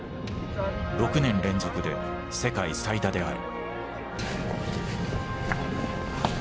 ６年連続で世界最多である。